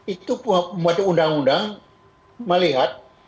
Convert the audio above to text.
itu membuat undang undang melihat